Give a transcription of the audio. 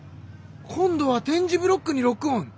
今度は点字ブロックにロックオン！